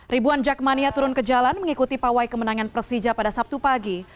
ribuan jakmania turun ke jalan mengikuti pawai kemenangan persija pada sabtu pagi